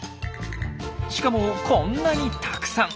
しかもこんなにたくさん。